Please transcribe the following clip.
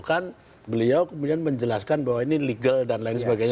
kan beliau kemudian menjelaskan bahwa ini legal dan lain sebagainya